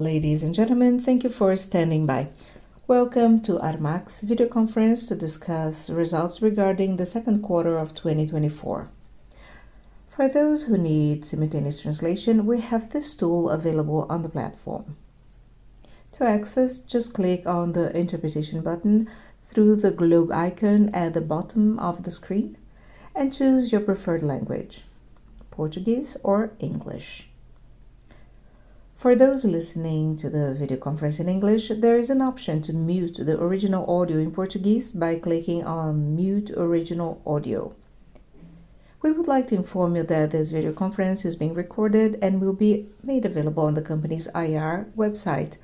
Ladies and gentlemen, thank you for standing by. Welcome to Armac's video conference to discuss results regarding the second quarter of 2024. For those who need simultaneous translation, we have this tool available on the platform. To access, just click on the Interpretation button through the globe icon at the bottom of the screen and choose your preferred language, Portuguese or English. For those listening to the video conference in English, there is an option to mute the original audio in Portuguese by clicking on Mute Original Audio. We would like to inform you that this video conference is being recorded and will be made available on the company's IR website,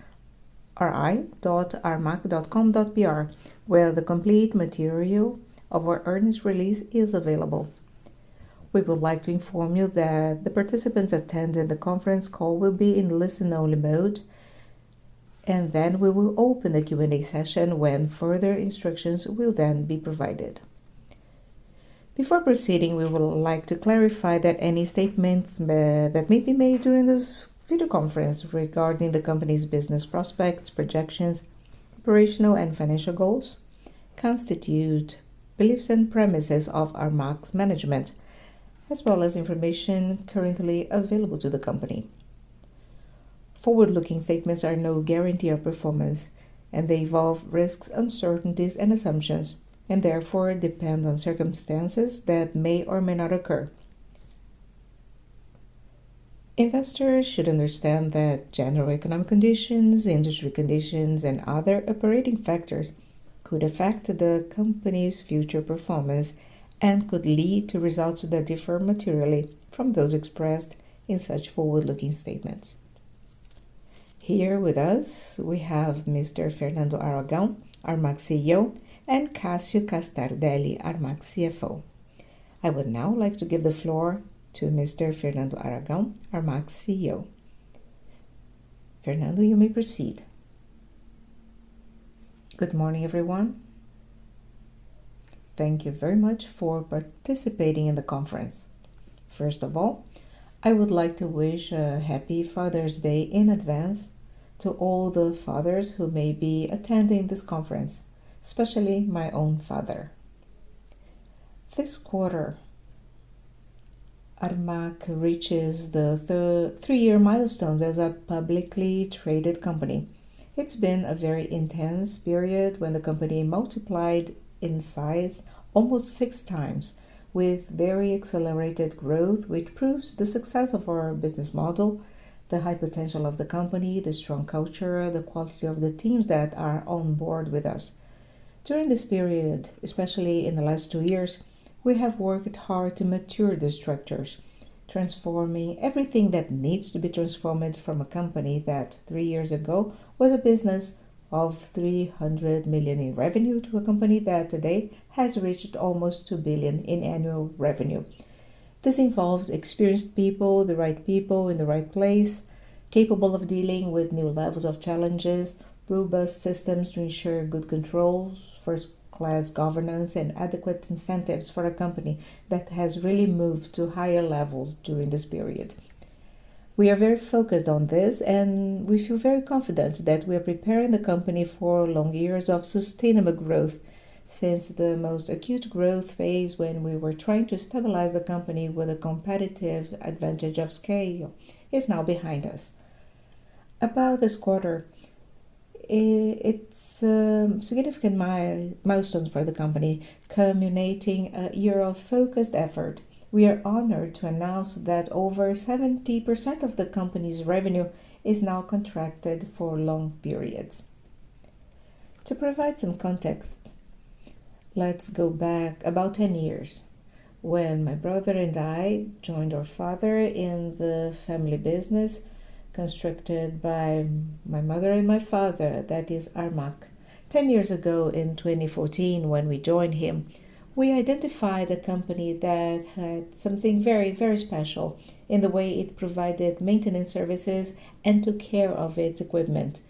ri.armac.com.br, where the complete material of our earnings release is available. We would like to inform you that the participants attending the conference call will be in listen-only mode, and then we will open the Q&A session, when further instructions will then be provided. Before proceeding, we would like to clarify that any statements that may be made during this video conference regarding the company's business prospects, projections, operational, and financial goals, constitute beliefs and premises of Armac's management, as well as information currently available to the company. Forward-looking statements are no guarantee of performance, and they involve risks, uncertainties, and assumptions, and therefore depend on circumstances that may or may not occur. Investors should understand that general economic conditions, industry conditions, and other operating factors could affect the company's future performance and could lead to results that differ materially from those expressed in such forward-looking statements. Here with us, we have Mr. Fernando Aragão, Armac CEO, and Cássio Castardelli, Armac CFO. I would now like to give the floor to Mr. Fernando Aragão, Armac's CEO. Fernando, you may proceed. Good morning, everyone. Thank you very much for participating in the conference. First of all, I would like to wish a happy Father's Day in advance to all the fathers who may be attending this conference, especially my own father. This quarter, Armac reaches the three-year milestone as a publicly traded company. It's been a very intense period when the company multiplied in size almost six times, with very accelerated growth, which proves the success of our business model, the high potential of the company, the strong culture, the quality of the teams that are on board with us. During this period, especially in the last two years, we have worked hard to mature the structures, transforming everything that needs to be transformed from a company that, three years ago, was a business of 300 million in revenue to a company that today has reached almost 2 billion in annual revenue. This involves experienced people, the right people in the right place, capable of dealing with new levels of challenges, robust systems to ensure good control, first-class governance, and adequate incentives for a company that has really moved to higher levels during this period. We are very focused on this, and we feel very confident that we are preparing the company for long years of sustainable growth, since the most acute growth phase, when we were trying to stabilize the company with a competitive advantage of scale, is now behind us. About this quarter, it's a significant milestone for the company, culminating a year of focused effort. We are honored to announce that over 70% of the company's revenue is now contracted for long periods. To provide some context, let's go back about 10 years, when my brother and I joined our father in the family business constructed by my mother and my father, that is Armac. Ten years ago, in 2014, when we joined him, we identified a company that had something very, very special in the way it provided maintenance services and took care of its equipment.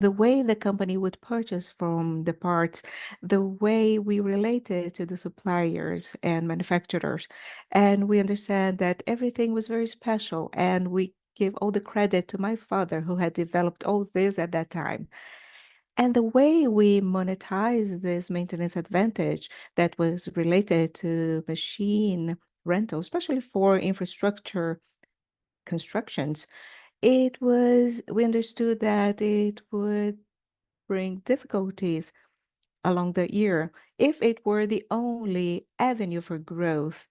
The way the company would purchase from the parts, the way we related to the suppliers and manufacturers, and we understand that everything was very special, and we give all the credit to my father, who had developed all this at that time. The way we monetize this maintenance advantage that was related to machine rental, especially for infrastructure constructions, it was... We understood that it would bring difficulties along the year if it were the only avenue for growth.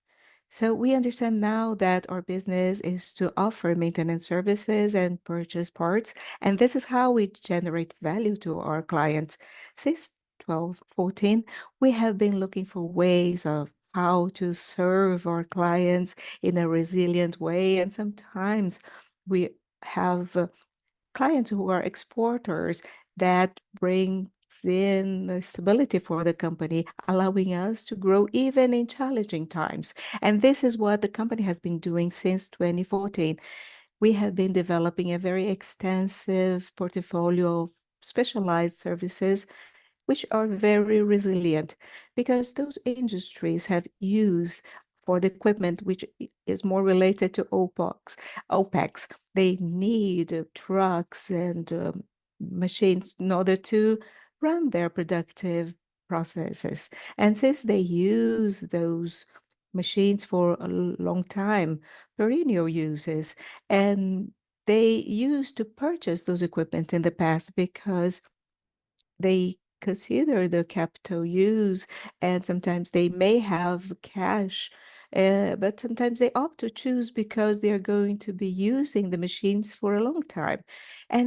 So we understand now that our business is to offer maintenance services and purchase parts, and this is how we generate value to our clients. Since 2014, we have been looking for ways of how to serve our clients in a resilient way, and sometimes we have clients who are exporters that brings in stability for the company, allowing us to grow even in challenging times. And this is what the company has been doing since 2014. We have been developing a very extensive portfolio of specialized services, which are very resilient because those industries have used for the equipment, which is more related to OPEX, OPEX. They need trucks and machines in order to run their productive processes. Since they use those machines for a long time, very new uses, and they used to purchase those equipment in the past because they consider the capital use, and sometimes they may have cash, but sometimes they opt to choose because they are going to be using the machines for a long time.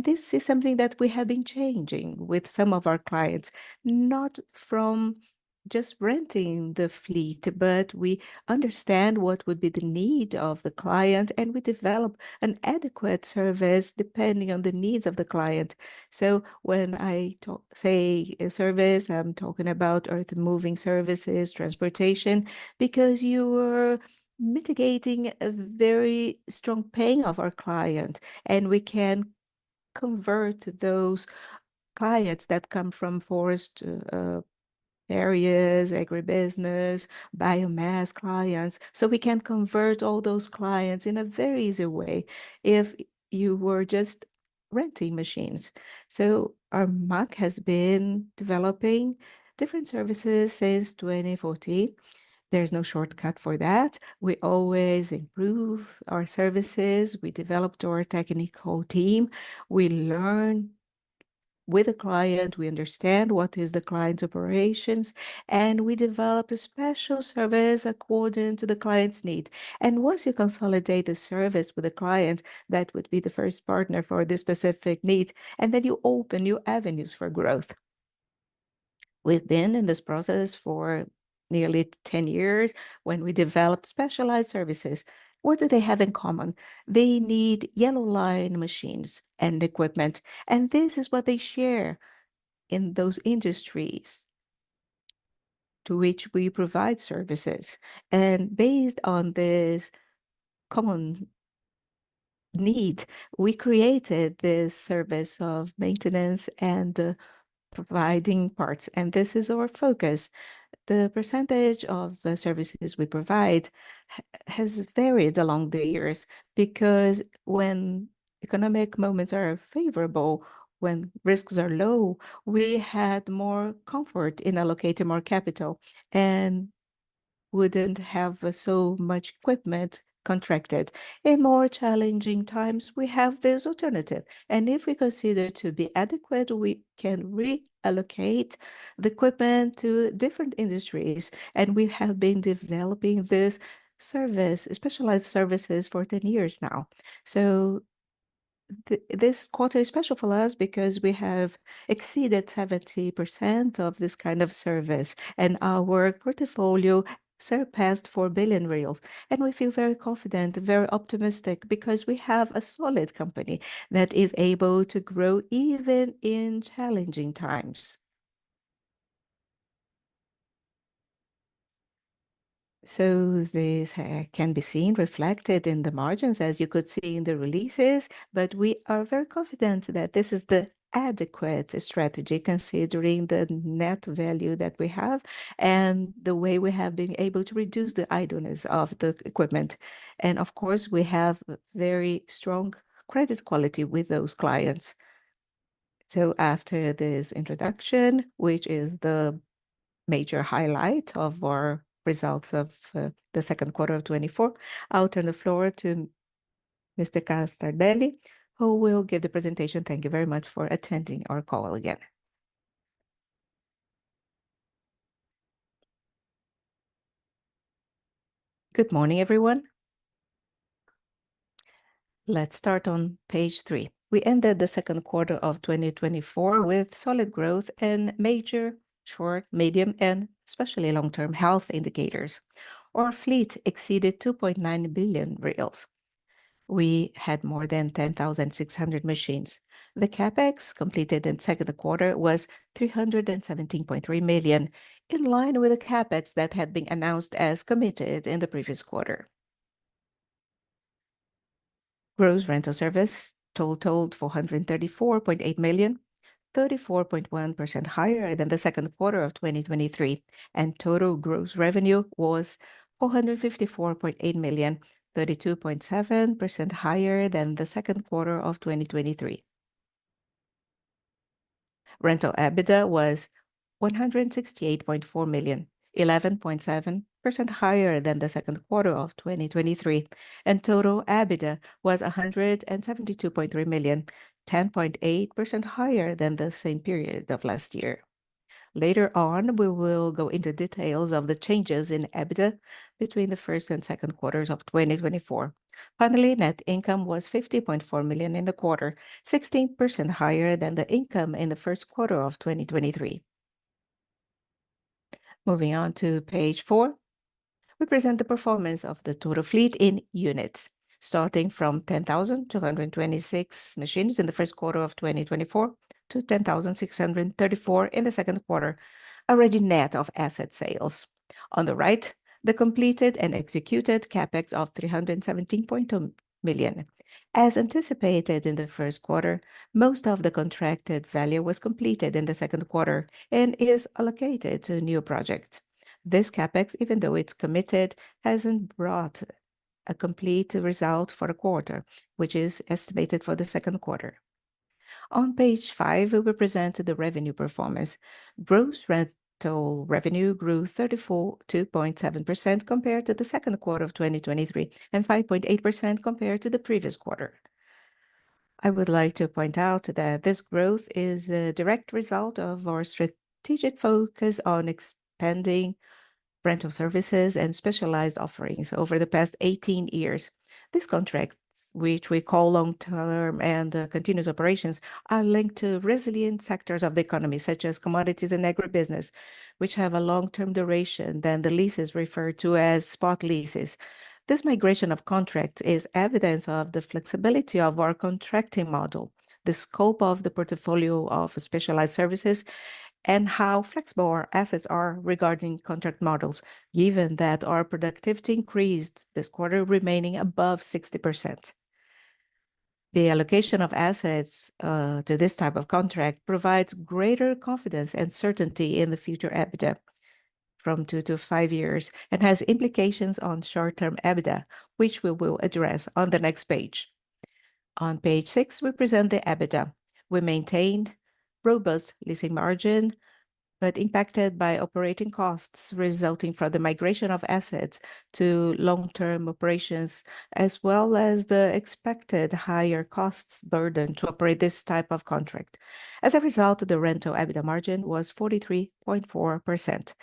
This is something that we have been changing with some of our clients, not from just renting the fleet, but we understand what would be the need of the client, and we develop an adequate service depending on the needs of the client. When I say service, I'm talking about earthmoving services, transportation, because you are mitigating a very strong pain of our client, and we can convert those clients that come from forest areas, agribusiness, biomass clients. So we can convert all those clients in a very easy way if you were just renting machines. Armac has been developing different services since 2014. There's no shortcut for that. We always improve our services. We developed our technical team. We learn with the client, we understand what is the client's operations, and we develop a special service according to the client's needs. And once you consolidate the service with the client, that would be the first partner for this specific needs, and then you open new avenues for growth. We've been in this process for nearly 10 years when we developed specialized services. What do they have in common? They need Yellow Line machines and equipment, and this is what they share in those industries to which we provide services. Based on this common need, we created this service of maintenance and providing parts, and this is our focus. The percentage of the services we provide has varied along the years because when economic moments are favorable, when risks are low, we had more comfort in allocating more capital and wouldn't have so much equipment contracted. In more challenging times, we have this alternative, and if we consider to be adequate, we can reallocate the equipment to different industries, and we have been developing this service, specialized services, for 10 years now. So this quarter is special for us because we have exceeded 70% of this kind of service, and our portfolio surpassed 4 billion reais, and we feel very confident, very optimistic, because we have a solid company that is able to grow even in challenging times. So this can be seen reflected in the margins, as you could see in the releases, but we are very confident that this is the adequate strategy, considering the net value that we have and the way we have been able to reduce the idleness of the equipment. And of course, we have very strong credit quality with those clients. So after this introduction, which is the major highlight of our results of the second quarter of 2024, I'll turn the floor to Mr. Castardelli, who will give the presentation. Thank you very much for attending our call again. Good morning, everyone. Let's start on page 3. We ended the second quarter of 2024 with solid growth in major, short, medium, and especially long-term health indicators. Our fleet exceeded 2.9 billion reais. We had more than 10,600 machines. The CapEx completed in second quarter was 317.3 million, in line with the CapEx that had been announced as committed in the previous quarter. Gross rental service totaled 434.8 million, 34.1% higher than the second quarter of 2023, and total gross revenue was 454.8 million, 32.7% higher than the second quarter of 2023. Rental EBITDA was 168.4 million, 11.7% higher than the second quarter of 2023, and total EBITDA was 172.3 million, 10.8% higher than the same period of last year. Later on, we will go into details of the changes in EBITDA between the first and second quarters of 2024. Finally, net income was 50.4 million in the quarter, 16% higher than the income in the first quarter of 2023. Moving on to page four, we present the performance of the total fleet in units, starting from 10,226 machines in the first quarter of 2024 to 10,634 in the second quarter, already net of asset sales. On the right, the completed and executed CapEx of 317.2 million. As anticipated in the first quarter, most of the contracted value was completed in the second quarter and is allocated to new projects. This CapEx, even though it's committed, hasn't brought a complete result for the quarter, which is estimated for the second quarter.... On page five, we presented the revenue performance. Gross rental revenue grew 34.2% compared to the second quarter of 2023, and 5.8% compared to the previous quarter. I would like to point out that this growth is a direct result of our strategic focus on expanding rental services and specialized offerings over the past 18 years. These contracts, which we call long-term and continuous operations, are linked to resilient sectors of the economy, such as commodities and agribusiness, which have a long-term duration than the leases referred to as spot leases. This migration of contracts is evidence of the flexibility of our contracting model, the scope of the portfolio of specialized services, and how flexible our assets are regarding contract models, given that our productivity increased this quarter, remaining above 60%. The allocation of assets to this type of contract provides greater confidence and certainty in the future EBITDA from 2-5 years, and has implications on short-term EBITDA, which we will address on the next page. On page 6, we present the EBITDA. We maintained robust leasing margin, but impacted by operating costs, resulting from the migration of assets to long-term operations, as well as the expected higher costs burden to operate this type of contract. As a result, the rental EBITDA margin was 43.4%.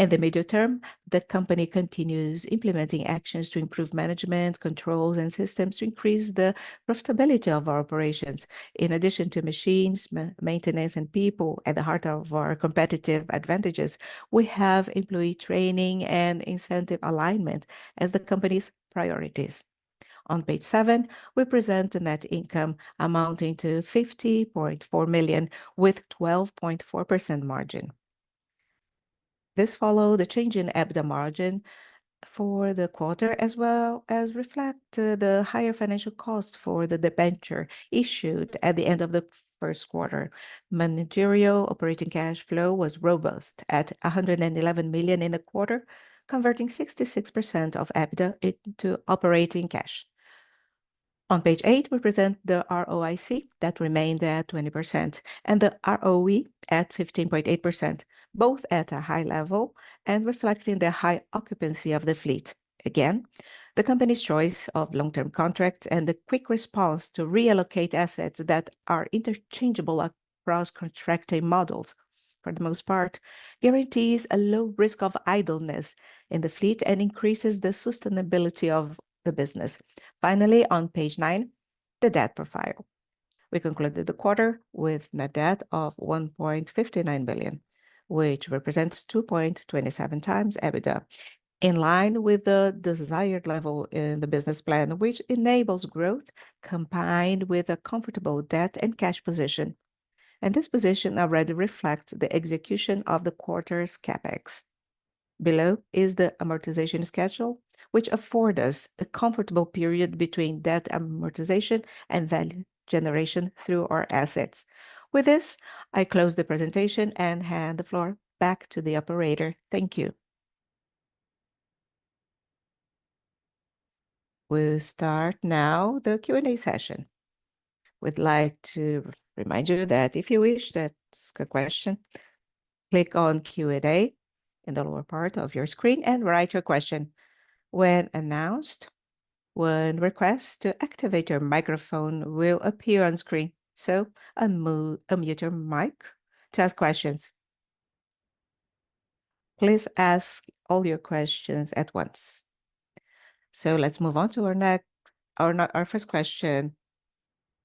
In the medium term, the company continues implementing actions to improve management, controls, and systems to increase the profitability of our operations. In addition to machines, maintenance, and people at the heart of our competitive advantages, we have employee training and incentive alignment as the company's priorities. On page seven, we present the net income amounting to 50.4 million, with 12.4% margin. This followed the change in EBITDA margin for the quarter, as well as reflect, the higher financial cost for the debenture issued at the end of the first quarter. Managerial operating cash flow was robust at 111 million in the quarter, converting 66% of EBITDA into operating cash. On page eight, we present the ROIC, that remained at 20%, and the ROE at 15.8%, both at a high level and reflecting the high occupancy of the fleet. Again, the company's choice of long-term contracts and the quick response to reallocate assets that are interchangeable across contracting models, for the most part, guarantees a low risk of idleness in the fleet and increases the sustainability of the business. Finally, on page nine, the debt profile. We concluded the quarter with net debt of 1.59 billion, which represents 2.27x EBITDA, in line with the desired level in the business plan, which enables growth combined with a comfortable debt and cash position. This position already reflects the execution of the quarter's CapEx. Below is the amortization schedule, which afford us a comfortable period between debt amortization and value generation through our assets. With this, I close the presentation and hand the floor back to the operator. Thank you. We'll start now the Q&A session. We'd like to remind you that if you wish to ask a question, click on Q&A in the lower part of your screen and write your question. When announced, one request to activate your microphone will appear on screen, so unmute, unmute your mic to ask questions. Please ask all your questions at once. So let's move on to our first question,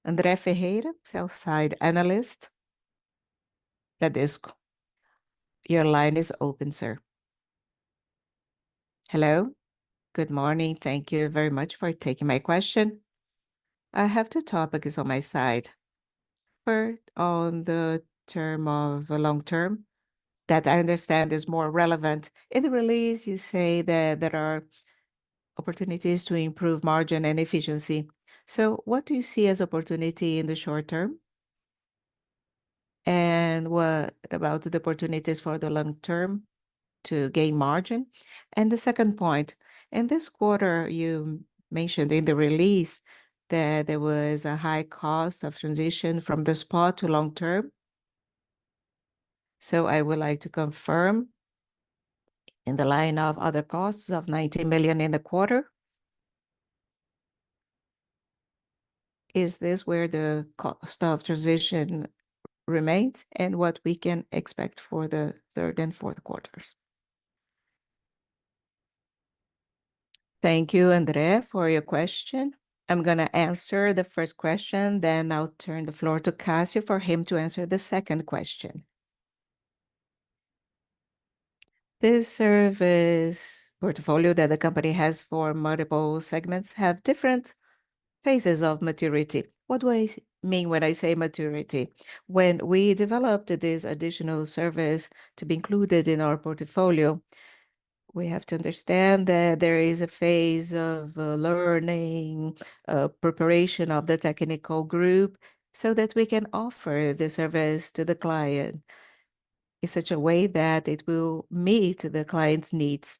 André Ferreira, sell-side analyst at Bradesco BBI. Your line is open, sir. Hello, good morning. Thank you very much for taking my question. I have two topics on my side. First, on the term of the long term, that I understand is more relevant. In the release, you say that there are opportunities to improve margin and efficiency. So what do you see as opportunity in the short term, and what about the opportunities for the long term to gain margin? And the second point: In this quarter, you mentioned in the release that there was a high cost of transition from the spot to long term. So I would like to confirm, in the line of other costs of 90 million in the quarter, is this where the cost of transition remains, and what we can expect for the third and fourth quarters? Thank you, André, for your question. I'm gonna answer the first question, then I'll turn the floor to Cássio for him to answer the second question. This service portfolio that the company has for multiple segments have different phases of maturity. What do I mean when I say maturity? When we developed this additional service to be included in our portfolio, we have to understand that there is a phase of learning, preparation of the technical group, so that we can offer the service to the client in such a way that it will meet the client's needs....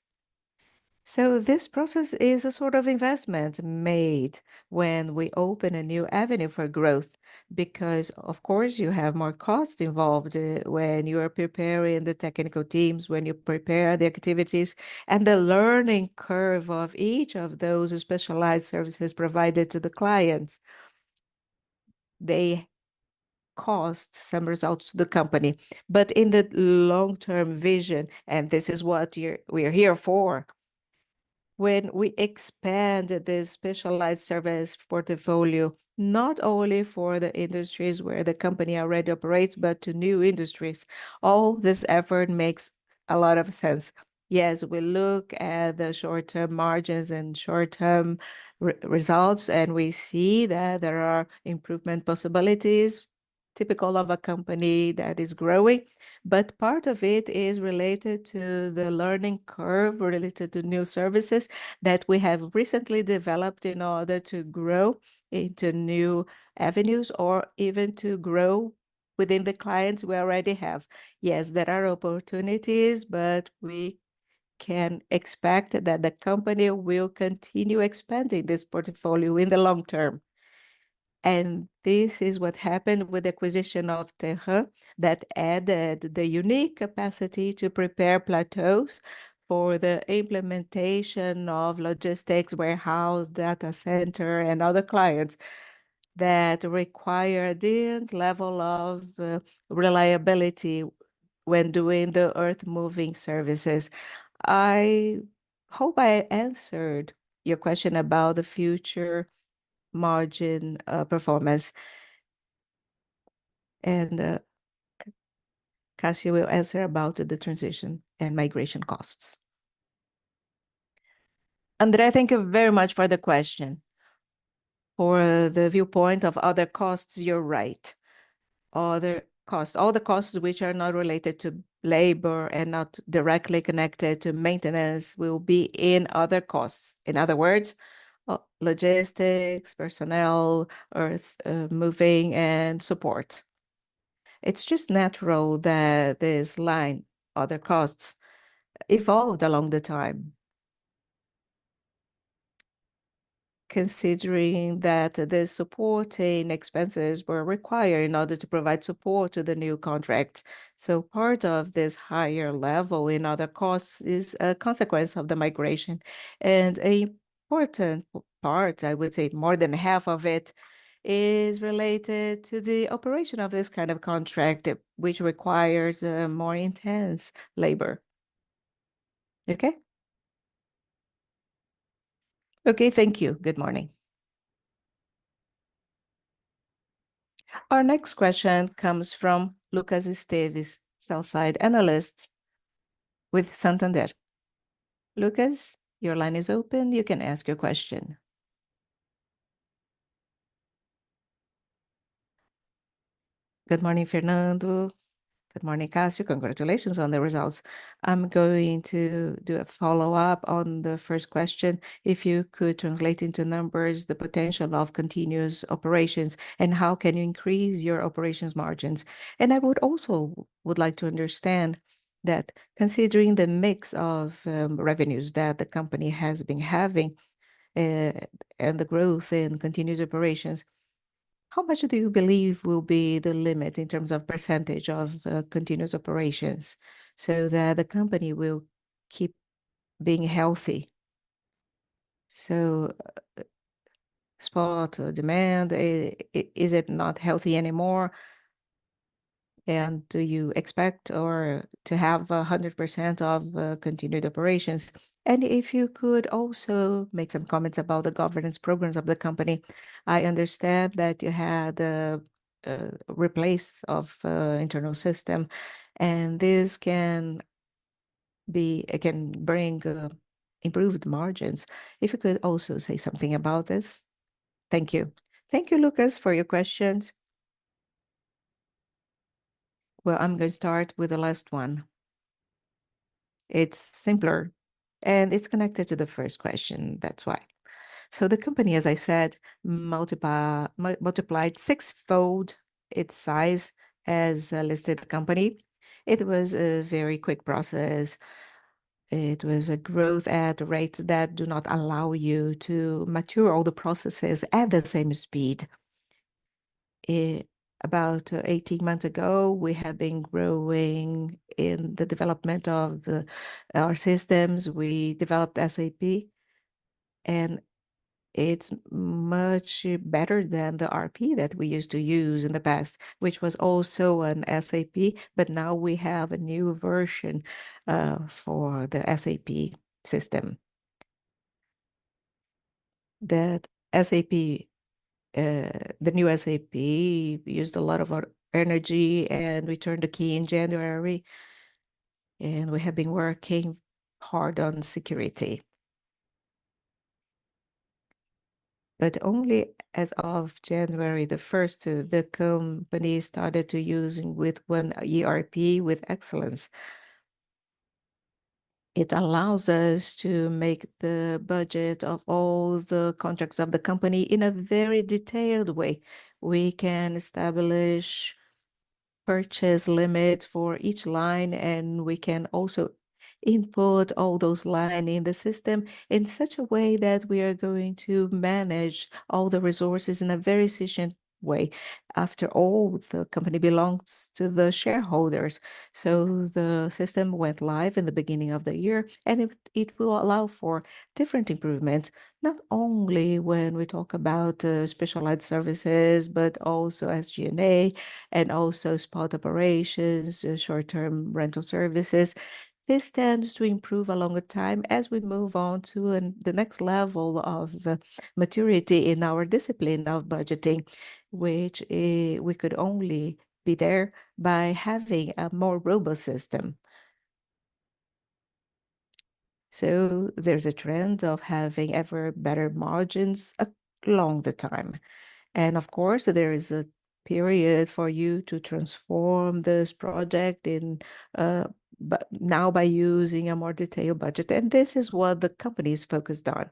So this process is a sort of investment made when we open a new avenue for growth, because, of course, you have more costs involved, when you are preparing the technical teams, when you prepare the activities. The learning curve of each of those specialized services provided to the clients, they cost some results to the company. But in the long-term vision, and this is what we're here for, when we expand the specialized service portfolio, not only for the industries where the company already operates, but to new industries, all this effort makes a lot of sense. Yes, we look at the short-term margins and short-term results, and we see that there are improvement possibilities, typical of a company that is growing. But part of it is related to the learning curve, related to new services that we have recently developed in order to grow into new avenues, or even to grow within the clients we already have. Yes, there are opportunities, but we can expect that the company will continue expanding this portfolio in the long term. And this is what happened with the acquisition of Terram, that added the unique capacity to prepare plateaus for the implementation of logistics, warehouse, data center, and other clients that require different level of reliability when doing the earthmoving services. I hope I answered your question about the future margin performance. And Cássio will answer about the transition and migration costs. André, thank you very much for the question. For the viewpoint of other costs, you're right. Other costs, all the costs which are not related to labor and not directly connected to maintenance will be in other costs. In other words, logistics, personnel, earth moving, and support. It's just natural that this line, other costs, evolved along the time, considering that the supporting expenses were required in order to provide support to the new contracts. So part of this higher level in other costs is a consequence of the migration, and a important part, I would say more than half of it, is related to the operation of this kind of contract, which requires a more intense labor. Okay? Okay, thank you. Good morning. Our next question comes from Lucas Esteves, sell-side analyst with Santander. Lucas, your line is open, you can ask your question. Good morning, Fernando. Good morning, Cássio. Congratulations on the results. I'm going to do a follow-up on the first question. If you could translate into numbers the potential of continuous operations, and how can you increase your operations margins? I would also like to understand that considering the mix of revenues that the company has been having, and the growth in continuous operations, how much do you believe will be the limit in terms of percentage of continuous operations, so that the company will keep being healthy? So, spot demand, is it not healthy anymore? And do you expect or to have 100% of continuous operations? And if you could also make some comments about the governance programs of the company. I understand that you had a replacement of internal system, and this can be... It can bring improved margins. If you could also say something about this. Thank you. Thank you, Lucas, for your questions. Well, I'm going to start with the last one. It's simpler, and it's connected to the first question, that's why. So the company, as I said, multiplied sixfold its size as a listed company. It was a very quick process. It was a growth at rates that do not allow you to mature all the processes at the same speed. About 18 months ago, we have been growing in the development of our systems. We developed SAP, and it's much better than the ERP that we used to use in the past, which was also an SAP, but now we have a new version for the SAP system. The new SAP used a lot of our energy, and we turned the key in January, and we have been working hard on security. But only as of January 1st, the company started to use with one ERP with excellence. It allows us to make the budget of all the contracts of the company in a very detailed way. We can establish purchase limit for each line, and we can also input all those lines in the system in such a way that we are going to manage all the resources in a very efficient way. After all, the company belongs to the shareholders. So the system went live in the beginning of the year, and it will allow for different improvements, not only when we talk about specialized services, but also as G&A, and also spot operations, short-term rental services. This tends to improve along with time as we move on to the next level of maturity in our discipline of budgeting, which we could only be there by having a more robust system. So there's a trend of having ever better margins along the time. And of course, there is a period for you to transform this project in, but now by using a more detailed budget, and this is what the company is focused on.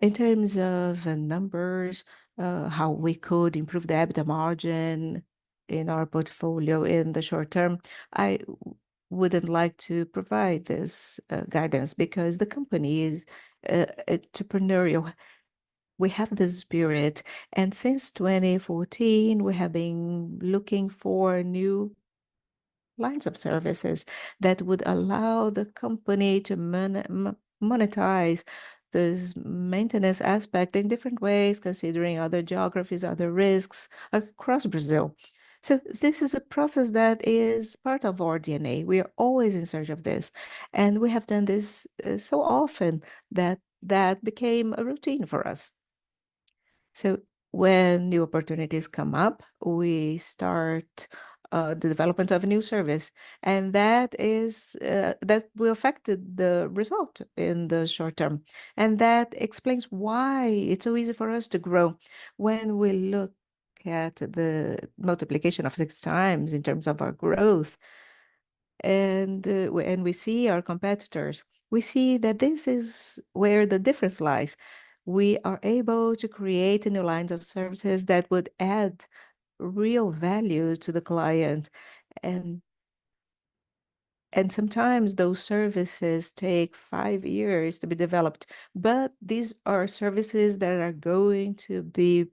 In terms of the numbers, how we could improve the EBITDA margin in our portfolio in the short term, I wouldn't like to provide this guidance because the company is entrepreneurial. We have the spirit, and since 2014, we have been looking for new lines of services that would allow the company to monetize this maintenance aspect in different ways, considering other geographies, other risks across Brazil. So this is a process that is part of our DNA. We are always in search of this, and we have done this so often that that became a routine for us. So when new opportunities come up, we start the development of a new service, and that is... That will affect the result in the short term, and that explains why it's so easy for us to grow. When we look at the multiplication of 6x in terms of our growth, and we see our competitors, we see that this is where the difference lies. We are able to create new lines of services that would add real value to the client, and, and sometimes those services take 5 years to be developed, but these are services that are going to be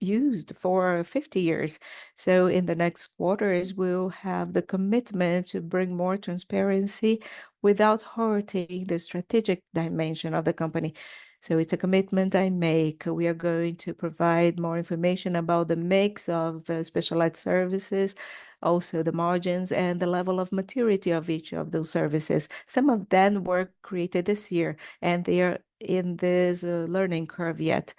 used for 50 years. So in the next quarters, we'll have the commitment to bring more transparency without hurting the strategic dimension of the company. So it's a commitment I make. We are going to provide more information about the mix of specialized services, also the margins and the level of maturity of each of those services. Some of them were created this year, and they are in this learning curve yet.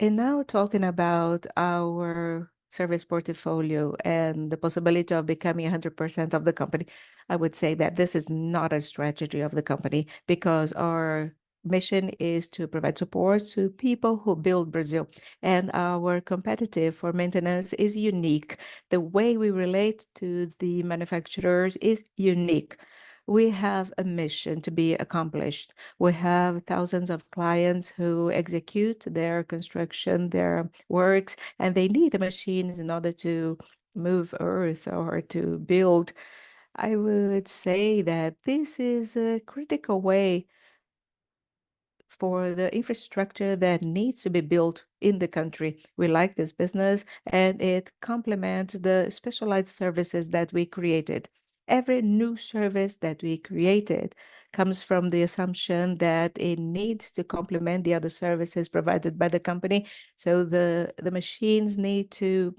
Now talking about our service portfolio and the possibility of becoming 100% of the company, I would say that this is not a strategy of the company because our mission is to provide support to people who build Brazil, and our competitive for maintenance is unique. The way we relate to the manufacturers is unique. We have a mission to be accomplished. We have thousands of clients who execute their construction, their works, and they need the machines in order to move earth or to build. I would say that this is a critical way for the infrastructure that needs to be built in the country. We like this business, and it complements the specialized services that we created. Every new service that we created comes from the assumption that it needs to complement the other services provided by the company, so the machines need to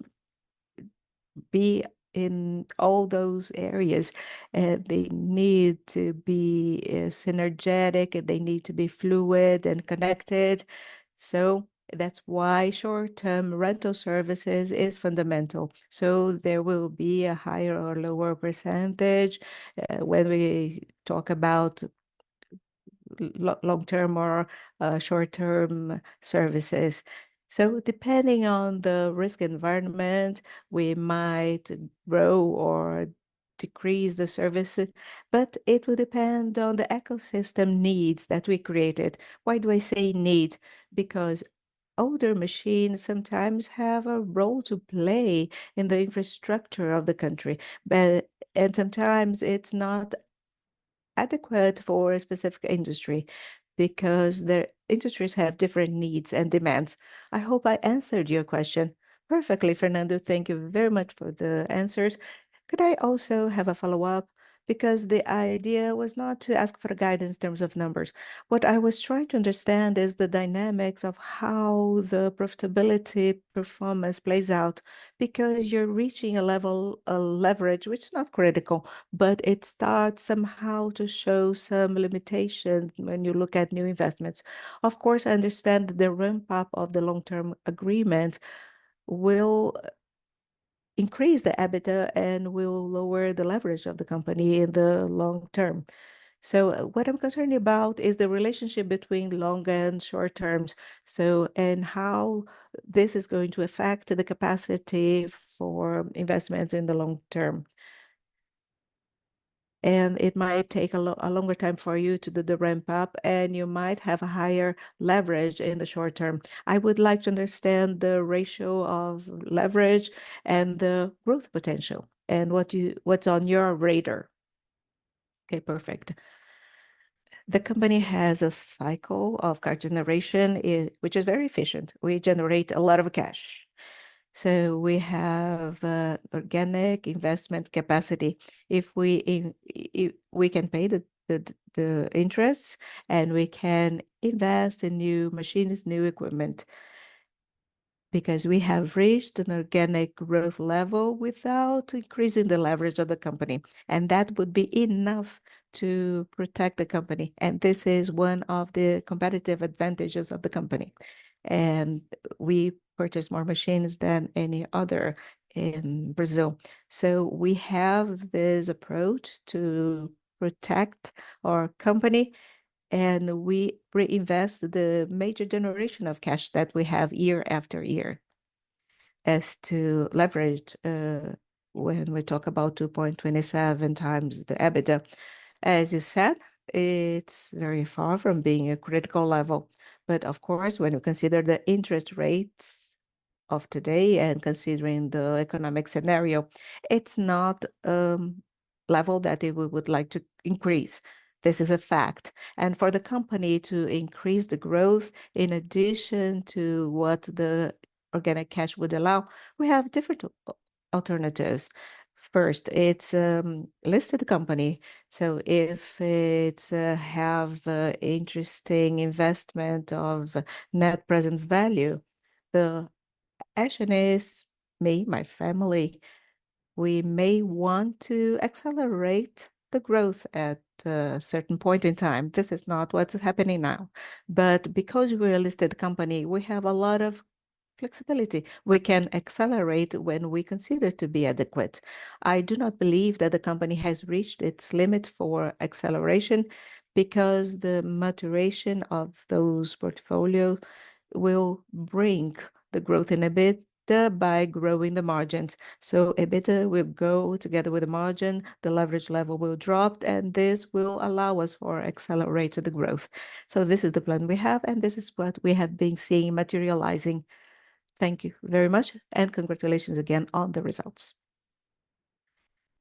be in all those areas, they need to be synergetic, and they need to be fluid and connected. So that's why short-term rental services is fundamental. So there will be a higher or lower percentage, when we talk about long-term or short-term services. So depending on the risk environment, we might grow or decrease the services, but it will depend on the ecosystem needs that we created. Why do I say needs? Because older machines sometimes have a role to play in the infrastructure of the country, but and sometimes it's not adequate for a specific industry because the industries have different needs and demands. I hope I answered your question. Perfectly, Fernando. Thank you very much for the answers. Could I also have a follow-up? Because the idea was not to ask for guidance in terms of numbers. What I was trying to understand is the dynamics of how the profitability performance plays out, because you're reaching a level, a leverage, which is not critical, but it starts somehow to show some limitations when you look at new investments. Of course, I understand the ramp up of the long-term agreements will increase the EBITDA and will lower the leverage of the company in the long term. So what I'm concerned about is the relationship between long and short terms, so, and how this is going to affect the capacity for investments in the long term... and it might take a longer time for you to do the ramp up, and you might have a higher leverage in the short term. I would like to understand the ratio of leverage and the growth potential, and what you, what's on your radar? Okay, perfect. The company has a cycle of cash generation which is very efficient. We generate a lot of cash. So we have organic investment capacity. If we, we can pay the interest, and we can invest in new machines, new equipment, because we have reached an organic growth level without increasing the leverage of the company, and that would be enough to protect the company, and this is one of the competitive advantages of the company. We purchase more machines than any other in Brazil. So we have this approach to protect our company, and we reinvest the major generation of cash that we have year after year. As to leverage, when we talk about 2.27x EBITDA, as you said, it's very far from being a critical level. But of course, when you consider the interest rates of today and considering the economic scenario, it's not level that we would like to increase. This is a fact. And for the company to increase the growth in addition to what the organic cash would allow, we have different alternatives. First, it's listed company, so if it's have interesting investment of net present value, the action is me, my family, we may want to accelerate the growth at a certain point in time. This is not what's happening now. But because we're a listed company, we have a lot of flexibility. We can accelerate when we consider to be adequate. I do not believe that the company has reached its limit for acceleration, because the maturation of those portfolio will bring the growth in EBITDA by growing the margins. So EBITDA will go together with the margin, the leverage level will drop, and this will allow us for accelerated growth. So this is the plan we have, and this is what we have been seeing materializing. Thank you very much, and congratulations again on the results.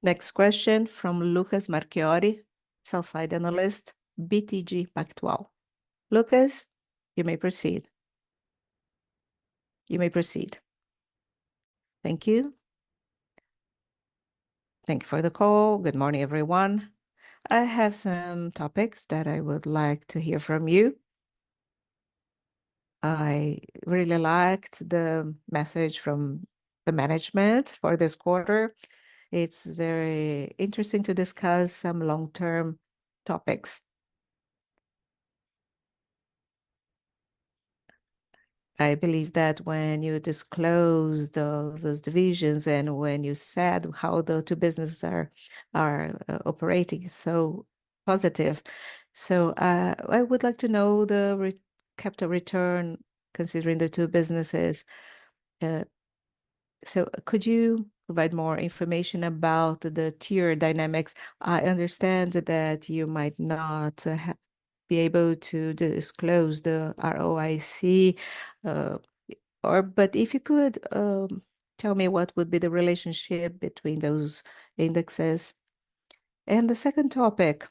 Next question from Lucas Marquiori, sell-side analyst, BTG Pactual. Lucas, you may proceed. You may proceed. Thank you. Thank you for the call. Good morning, everyone. I have some topics that I would like to hear from you. I really liked the message from the management for this quarter. It's very interesting to discuss some long-term topics. I believe that when you disposal of those divisions and when you said how the two businesses are operating so positive. So I would like to know the return on capital, considering the two businesses. So could you provide more information about their dynamics? I understand that you might not be able to disclose the ROIC or... But if you could tell me what would be the relationship between those indexes. And the second topic: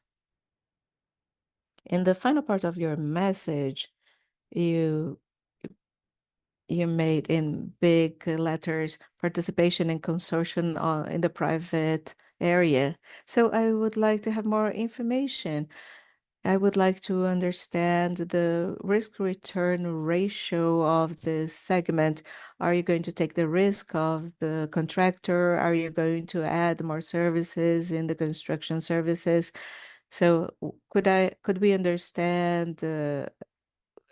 in the final part of your message, you made in big letters, participation in consortium in the private area. So I would like to have more information. I would like to understand the risk-return ratio of this segment. Are you going to take the risk of the contractor? Are you going to add more services in the construction services? So could I, could we understand,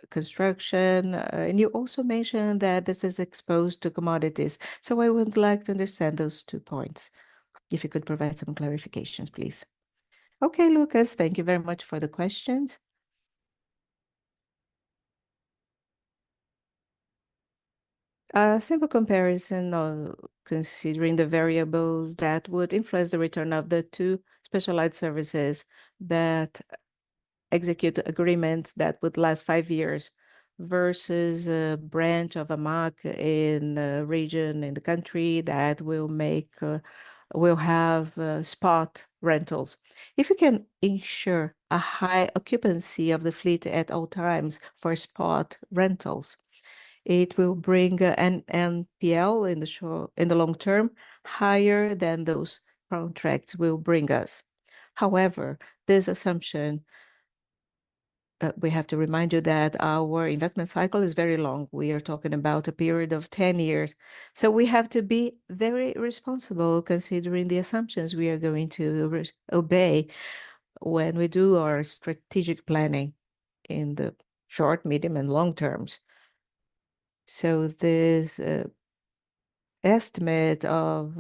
construction? And you also mentioned that this is exposed to commodities, so I would like to understand those two points, if you could provide some clarifications, please. Okay, Lucas, thank you very much for the questions. A simple comparison of considering the variables that would influence the return of the two specialized services that execute agreements that would last 5 years, versus a branch of Armac in a region in the country that will make, will have, spot rentals. If we can ensure a high occupancy of the fleet at all times for spot rentals, it will bring NPL in the long term, higher than those contracts will bring us. However, this assumption, we have to remind you that our investment cycle is very long. We are talking about a period of 10 years. So we have to be very responsible, considering the assumptions we are going to rely on when we do our strategic planning in the short, medium, and long terms. So this estimate of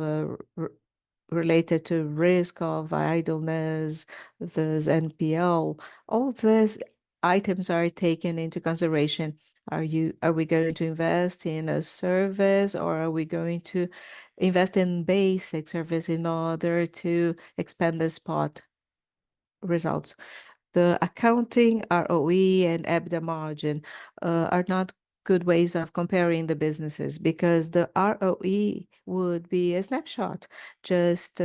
related to risk of idleness, those NPL, all these items are taken into consideration. Are we going to invest in a service, or are we going to invest in basic service in order to expand the spot results. The accounting ROE and EBITDA margin are not good ways of comparing the businesses, because the ROE would be a snapshot, just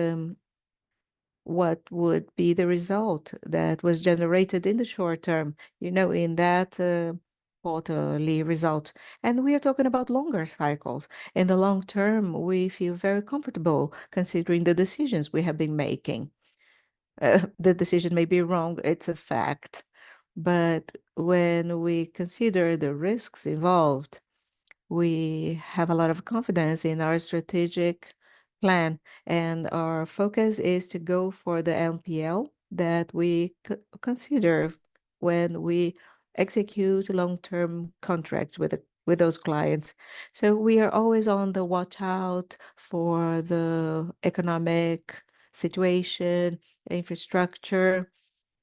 what would be the result that was generated in the short term, you know, in that quarterly result, and we are talking about longer cycles. In the long term, we feel very comfortable considering the decisions we have been making. The decision may be wrong, it's a fact, but when we consider the risks involved, we have a lot of confidence in our strategic plan, and our focus is to go for the NPL that we consider when we execute long-term contracts with those clients. So we are always on the watch out for the economic situation, infrastructure,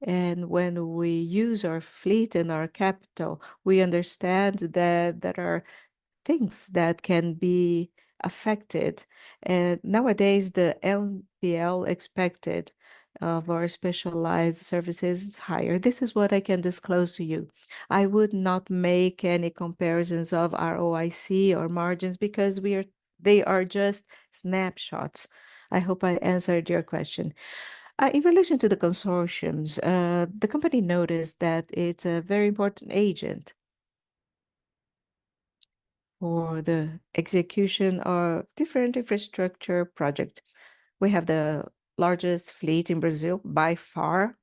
and when we use our fleet and our capital, we understand that there are things that can be affected. Nowadays, the NPL expected for specialized services is higher. This is what I can disclose to you. I would not make any comparisons of ROIC or margins because they are just snapshots. I hope I answered your question. In relation to the consortiums, the company noticed that it's a very important agent for the execution of different infrastructure project. We have the largest fleet in Brazil by far,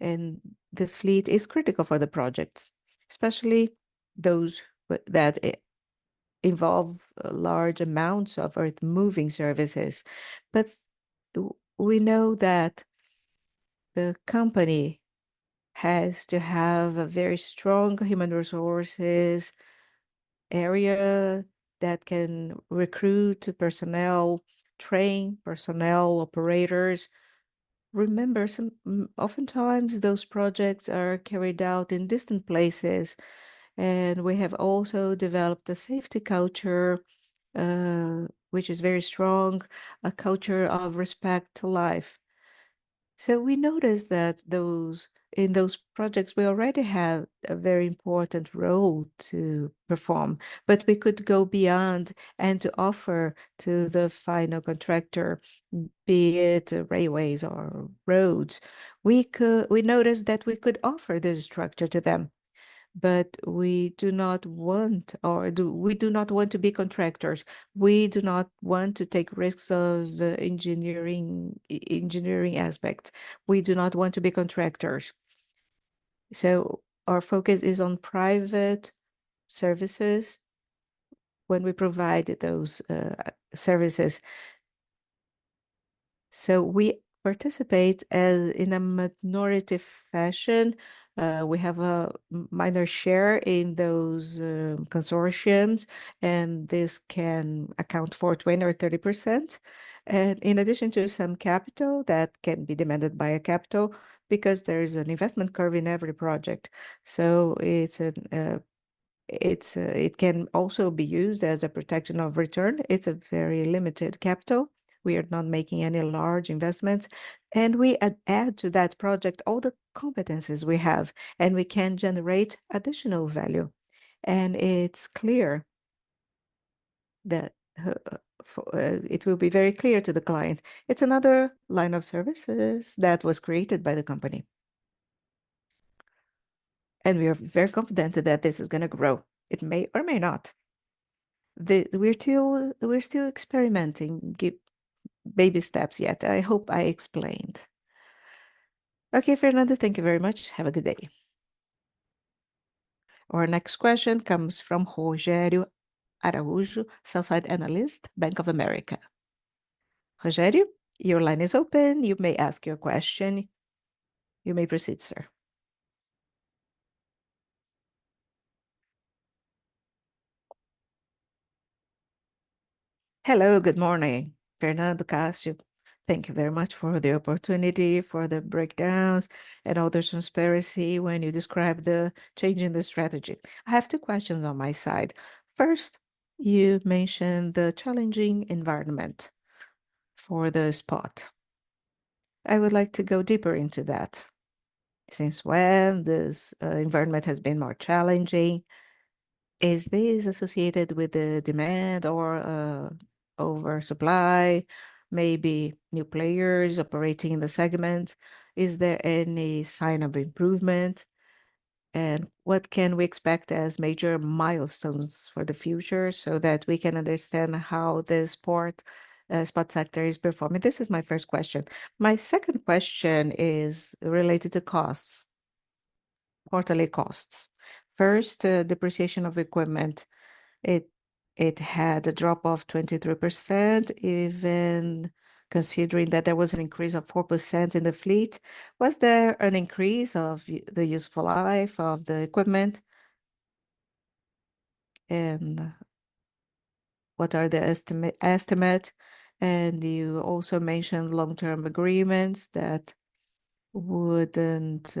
and the fleet is critical for the projects, especially those that involve large amounts of earthmoving services. But we know that the company has to have a very strong human resources area that can recruit personnel, train personnel, operators. Remember, oftentimes, those projects are carried out in distant places, and we have also developed a safety culture, which is very strong, a culture of respect to life. So we noticed that those in those projects, we already have a very important role to perform, but we could go beyond and to offer to the final contractor, be it railways or roads. We noticed that we could offer this structure to them, but we do not want... or we do not want to be contractors. We do not want to take risks of engineering, engineering aspects. We do not want to be contractors. So our focus is on private services when we provide those services. So we participate as in a minority fashion. We have a minor share in those consortiums, and this can account for 20%-30%, and in addition to some capital that can be demanded by a capital, because there is an investment curve in every project. So it can also be used as a protection of return. It's a very limited capital. We are not making any large investments, and we add to that project all the competencies we have, and we can generate additional value. And it's clear that it will be very clear to the client. It's another line of services that was created by the company, and we are very confident that this is gonna grow. It may or may not. We're still, we're still experimenting, baby steps yet. I hope I explained. Okay, Fernando, thank you very much. Have a good day. Our next question comes from Rogério Araújo, sell-side analyst, Bank of America. Rogério, your line is open. You may ask your question. You may proceed, sir. Hello, good morning, Fernando, Cássio. Thank you very much for the opportunity, for the breakdowns, and all the transparency when you described the change in the strategy. I have two questions on my side. First, you mentioned the challenging environment for the spot. I would like to go deeper into that. Since when this environment has been more challenging? Is this associated with the demand or, oversupply, maybe new players operating in the segment? Is there any sign of improvement, and what can we expect as major milestones for the future, so that we can understand how the spot sector is performing? This is my first question. My second question is related to costs, quarterly costs. First, depreciation of equipment, it had a drop of 23%, even considering that there was an increase of 4% in the fleet. Was there an increase in the useful life of the equipment? And what are the estimates? And you also mentioned long-term agreements that wouldn't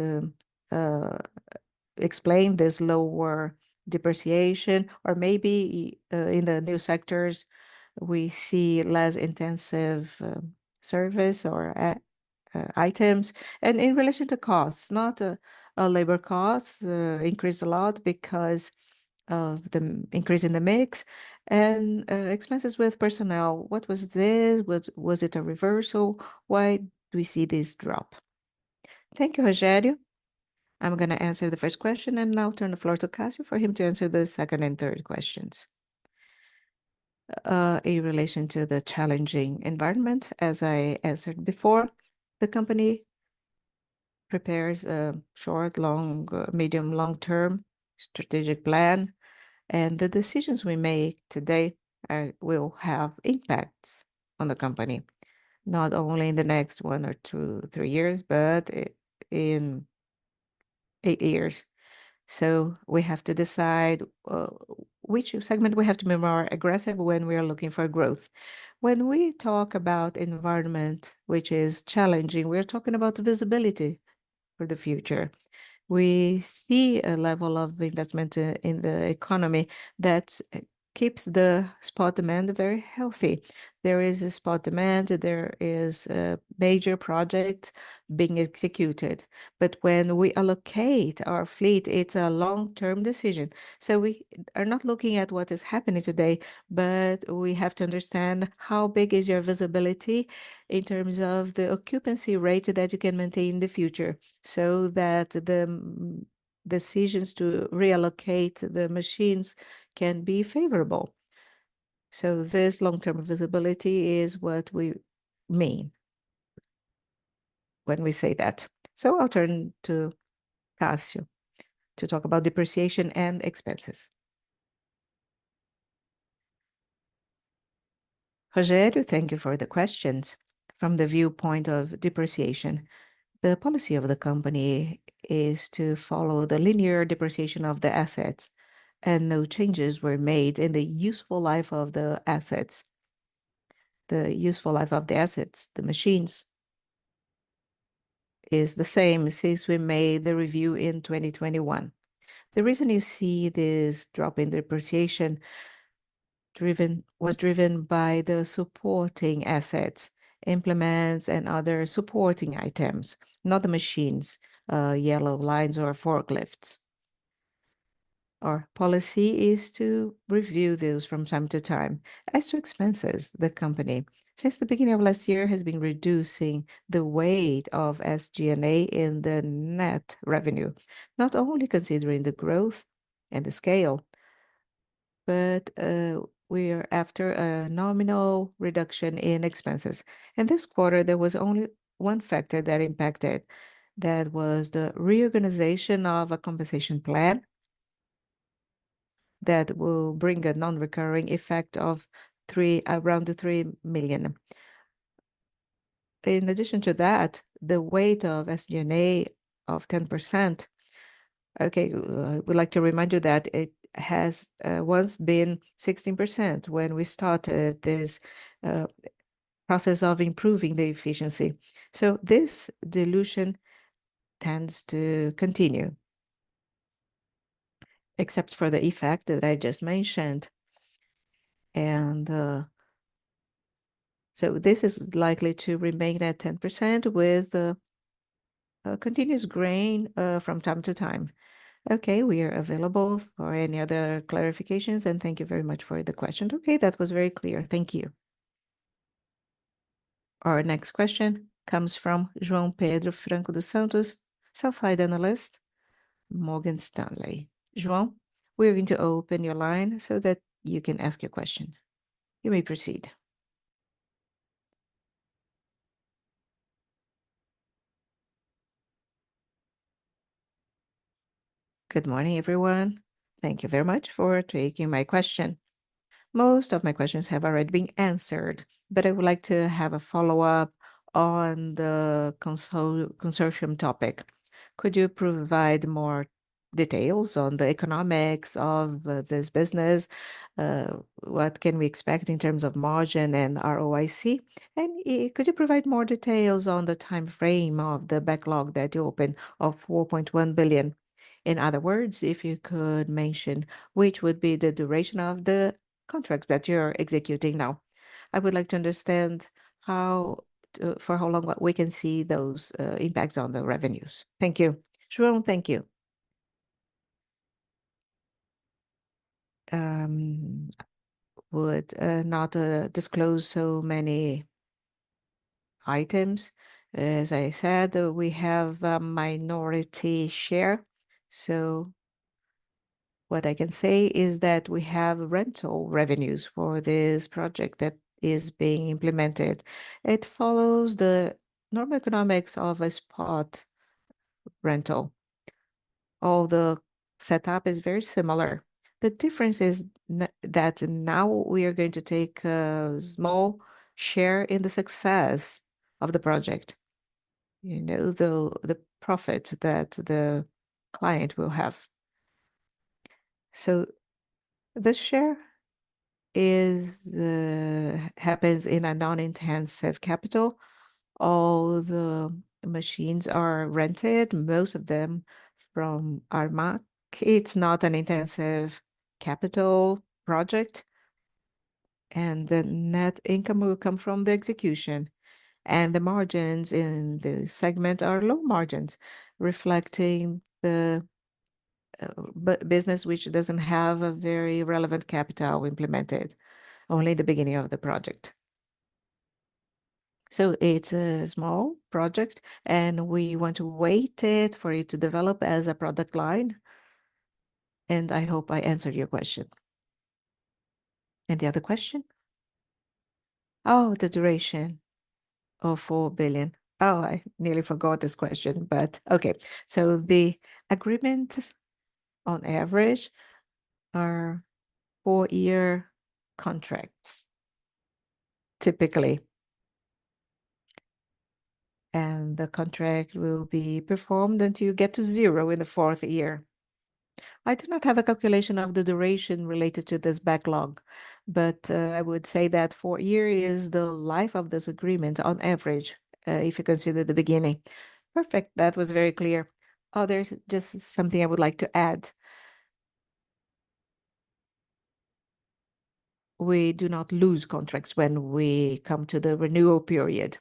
explain this lower depreciation, or maybe, in the new sectors, we see less intensive, service or, items. In relation to costs, labor costs increased a lot because of the increase in the mix, and expenses with personnel. What was this? Was it a reversal? Why do we see this drop? Thank you, Rogério. I'm gonna answer the first question, and I'll turn the floor to Cássio for him to answer the second and third questions. In relation to the challenging environment, as I answered before, the company prepares a short, long, medium, long-term strategic plan, and the decisions we make today will have impacts on the company, not only in the next one or two, three years, but in eight years. So we have to decide which segment we have to be more aggressive when we are looking for growth. When we talk about environment, which is challenging, we're talking about visibility for the future. We see a level of investment in the economy that keeps the spot demand very healthy. There is a spot demand; there is a major project being executed. But when we allocate our fleet, it's a long-term decision. So we are not looking at what is happening today, but we have to understand how big is your visibility in terms of the occupancy rate that you can maintain in the future, so that the decisions to reallocate the machines can be favorable. So this long-term visibility is what we mean when we say that. So I'll turn to Cássio to talk about depreciation and expenses. Rogério, thank you for the questions. From the viewpoint of depreciation, the policy of the company is to follow the linear depreciation of the assets, and no changes were made in the useful life of the assets. The useful life of the assets, the machines, is the same since we made the review in 2021. The reason you see this drop in depreciation was driven by the supporting assets, implements, and other supporting items, not the machines, yellow lines or forklifts. Our policy is to review this from time to time. As to expenses, the company, since the beginning of last year, has been reducing the weight of SG&A in the net revenue, not only considering the growth and the scale, but, we are after a nominal reduction in expenses. In this quarter, there was only one factor that impacted. That was the reorganization of a compensation plan that will bring a non-recurring effect of three... around 3 million. In addition to that, the weight of SG&A of 10%, okay, we'd like to remind you that it has once been 16% when we started this process of improving the efficiency. So this dilution tends to continue, except for the effect that I just mentioned. And, so this is likely to remain at 10% with a continuous gain from time to time. Okay, we are available for any other clarifications, and thank you very much for the question. Okay, that was very clear. Thank you. Our next question comes from João Pedro Franco dos Santos, sell-side analyst, Morgan Stanley. João, we're going to open your line so that you can ask your question. You may proceed. Good morning, everyone. Thank you very much for taking my question. Most of my questions have already been answered, but I would like to have a follow-up on the consortium topic. Could you provide more details on the economics of this business? What can we expect in terms of margin and ROIC? And could you provide more details on the timeframe of the backlog that you opened of $4.1 billion? In other words, if you could mention which would be the duration of the contracts that you're executing now. I would like to understand for how long we can see those impacts on the revenues. Thank you. João, thank you. Would not disclose so many items. As I said, we have a minority share, so what I can say is that we have rental revenues for this project that is being implemented. It follows the normal economics of a spot rental, although setup is very similar. The difference is that now we are going to take a small share in the success of the project, you know, the profit that the client will have. So this share is happens in a non-intensive capital. All the machines are rented, most of them from Armac. It's not an intensive capital project, and the net income will come from the execution, and the margins in the segment are low margins, reflecting the business which doesn't have a very relevant capital implemented, only the beginning of the project. So it's a small project, and we want to wait it for it to develop as a product line, and I hope I answered your question. Any other question? Oh, the duration of 4 billion. Oh, I nearly forgot this question, but okay. So the agreements on average are four-year contracts, typically. The contract will be performed until you get to zero in the fourth year. I do not have a calculation of the duration related to this backlog, but I would say that four-year is the life of this agreement on average, if you consider the beginning. Perfect. That was very clear. Oh, there's just something I would like to add. We do not lose contracts when we come to the renewal period,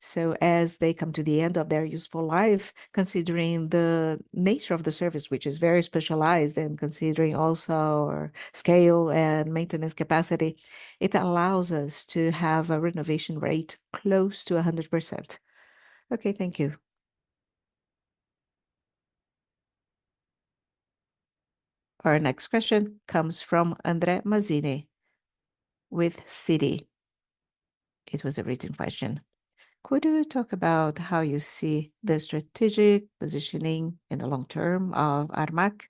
so as they come to the end of their useful life, considering the nature of the service, which is very specialized, and considering also our scale and maintenance capacity, it allows us to have a renewal rate close to 100%. Okay, thank you. Our next question comes from André Mazzini with Citi. It was a written question: Could you talk about how you see the strategic positioning in the long term of Armac?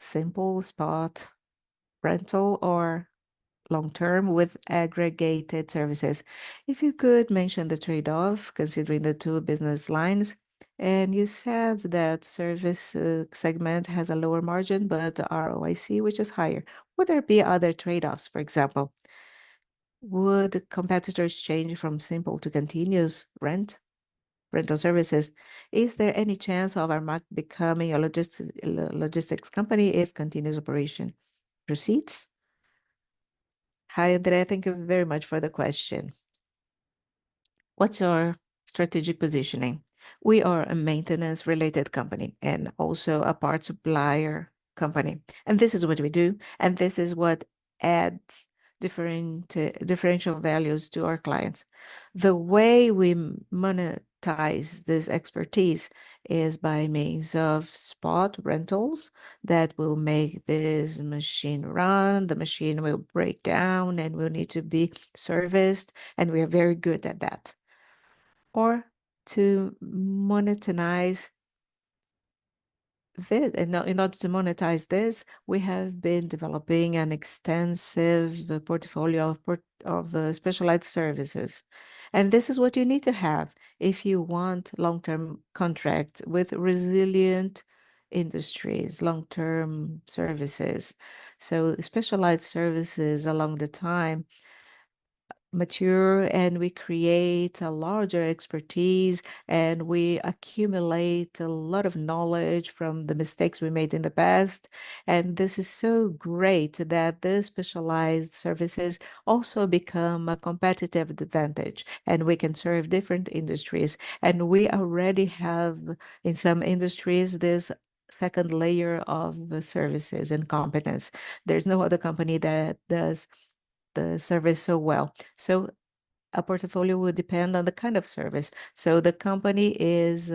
Simple spot rental, or long-term with aggregated services. If you could mention the trade-off, considering the two business lines, and you said that service segment has a lower margin, but ROIC, which is higher. Would there be other trade-offs, for example, would competitors change from simple to continuous rental services? Is there any chance of Armac becoming a logistics company if continuous operation proceeds? Hi, André. Thank you very much for the question. What's our strategic positioning? We are a maintenance-related company and also a parts supplier company, and this is what we do, and this is what adds differential values to our clients. The way we monetize this expertise is by means of spot rentals that will make this machine run. The machine will break down, and will need to be serviced, and we are very good at that. Or to monetize this... In order to monetize this, we have been developing an extensive portfolio of the specialized services, and this is what you need to have if you want long-term contract with resilient industries, long-term services. So specialized services, along the time, mature, and we create a larger expertise, and we accumulate a lot of knowledge from the mistakes we made in the past. And this is so great that the specialized services also become a competitive advantage, and we can serve different industries. And we already have, in some industries, this second layer of the services and competence. There's no other company that does the service so well. So a portfolio will depend on the kind of service. So the company is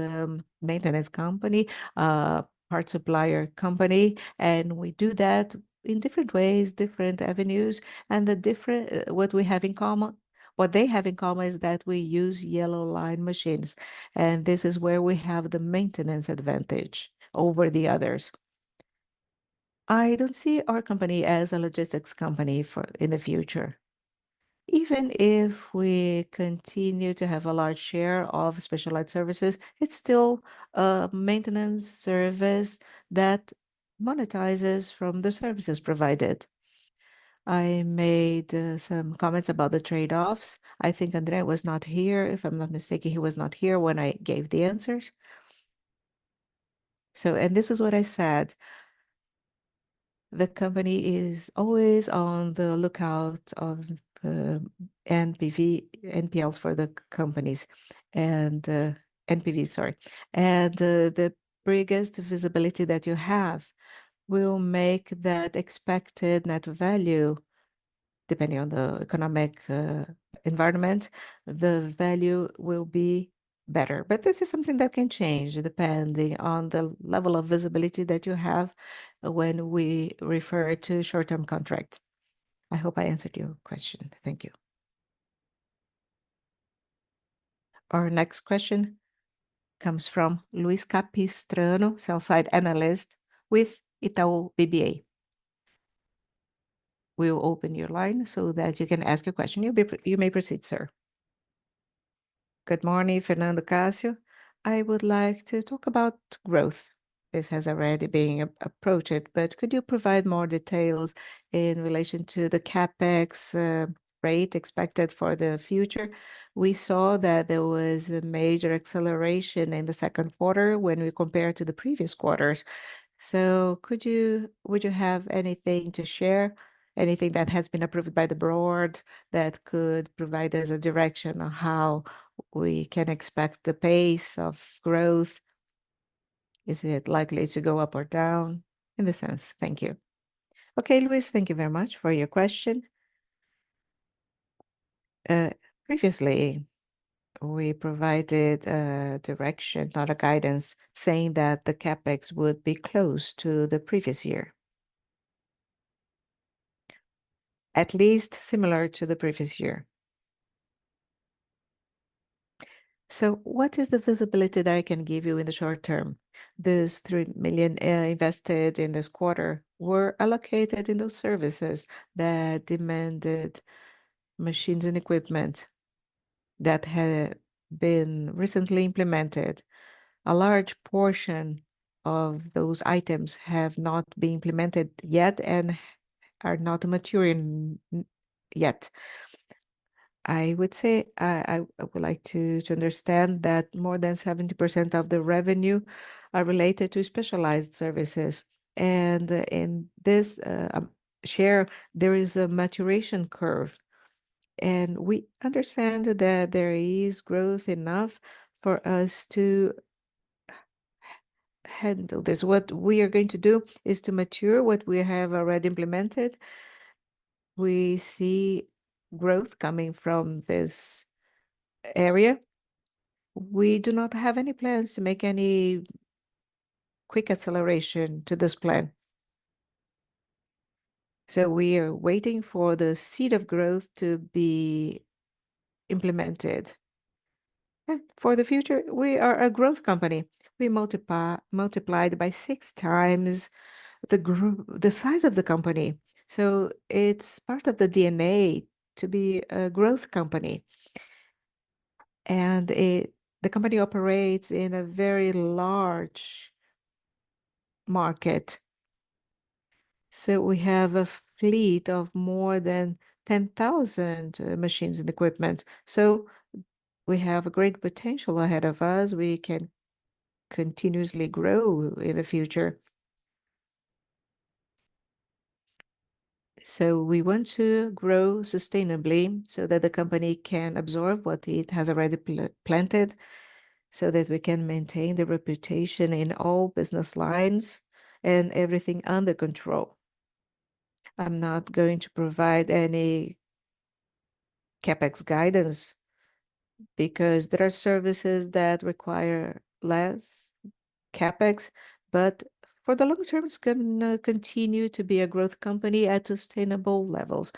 maintenance company, parts supplier company, and we do that in different ways, different avenues, and the different what we have in common what they have in common is that we use Yellow Line machines, and this is where we have the maintenance advantage over the others. I don't see our company as a logistics company for in the future. Even if we continue to have a large share of specialized services, it's still a maintenance service that monetizes from the services provided. I made some comments about the trade-offs. I think André was not here. If I'm not mistaken, he was not here when I gave the answers. So and this is what I said, the company is always on the lookout of NPV, NPL for the companies, and NPV, sorry. And, the biggest visibility that you have will make that expected net value, depending on the economic environment, the value will be better. But this is something that can change, depending on the level of visibility that you have when we refer to short-term contracts. I hope I answered your question. Thank you. Our next question comes from Luis Capistrano, sell-side analyst with Itaú BBA. We will open your line so that you can ask a question. You may proceed, sir. Good morning, Fernando Aragão. I would like to talk about growth. This has already been approached, but could you provide more details in relation to the CapEx rate expected for the future? We saw that there was a major acceleration in the second quarter when we compare to the previous quarters. So would you have anything to share, anything that has been approved by the board, that could provide us a direction on how we can expect the pace of growth? Is it likely to go up or down, in a sense? Thank you. Okay, Luis, thank you very much for your question. Previously, we provided a direction, not a guidance, saying that the CapEx would be close to the previous year. At least similar to the previous year. So what is the visibility that I can give you in the short term? Those 3 million invested in this quarter were allocated in those services that demanded machines and equipment that had been recently implemented. A large portion of those items have not been implemented yet and are not maturing yet. I would say, I would like to understand that more than 70% of the revenue are related to specialized services, and in this share, there is a maturation curve. We understand that there is growth enough for us to handle this. What we are going to do is to mature what we have already implemented. We see growth coming from this area. We do not have any plans to make any quick acceleration to this plan. So we are waiting for the seed of growth to be implemented. And for the future, we are a growth company. We multiplied by six times the size of the company, so it's part of the DNA to be a growth company. And the company operates in a very large market. So we have a fleet of more than 10,000 machines and equipment, so we have a great potential ahead of us. We can continuously grow in the future. So we want to grow sustainably so that the company can absorb what it has already planted, so that we can maintain the reputation in all business lines and everything under control. I'm not going to provide any CapEx guidance, because there are services that require less CapEx. But for the long term, it's gonna continue to be a growth company at sustainable levels,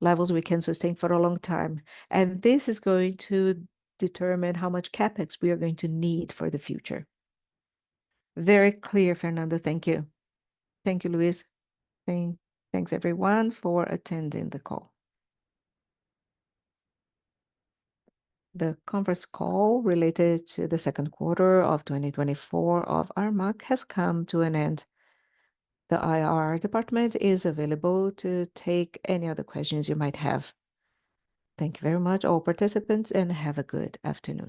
levels we can sustain for a long time, and this is going to determine how much CapEx we are going to need for the future. Very clear, Fernando.Thank you. Thank you, Luis. Thanks everyone for attending the call. The conference call related to the second quarter of 2024 of Armac has come to an end. The IR department is available to take any other questions you might have. Thank you very much, all participants, and have a good afternoon.